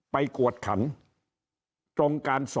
ไปกวดขัน